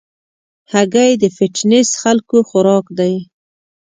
هګۍ د فټنس خلکو خوراک دی.